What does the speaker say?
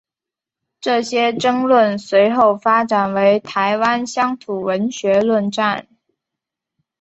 这些争论随后发展为台湾乡土文学论战。